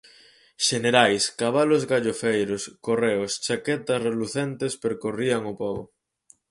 Xenerais, cabalos gallofeiros, correos, chaquetas relucentes percorrían o pobo.